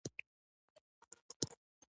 نورو بنسټونو کې بدلون راغی.